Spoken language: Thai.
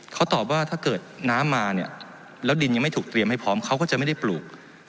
เขาตอบว่าถ้าเกิดน้ำมาเนี่ยแล้วดินยังไม่ถูกเตรียมให้พร้อมเขาก็จะไม่ได้ปลูก